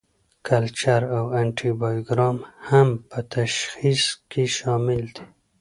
کلچر او انټي بایوګرام هم په تشخیص کې شامل دي.